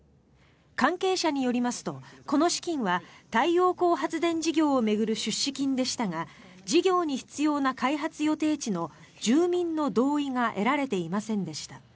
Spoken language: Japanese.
関係者によりますと、この資金は太陽光発電事業を巡る出資金でしたが事業に必要な開発予定地の住民の同意が得られていませんでした。